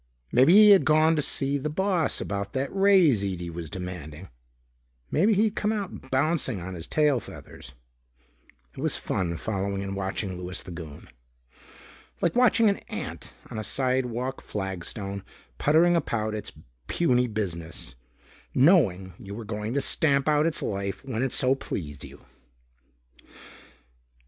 Maybe he had gone to see the boss about that raise Ede was demanding. Maybe he'd come out bouncing on his tail feathers. It was fun following and watching Louis the Goon. Like watching an ant on a sidewalk flagstone puttering about its puny business, knowing you were going to stamp out its life when it so pleased you.